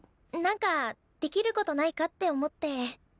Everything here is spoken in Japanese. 何かできることないかって思って。